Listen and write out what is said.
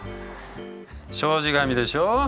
障子紙でしょう。